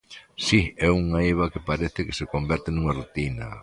Si, é unha eiva que parece que se converte nunha rutina.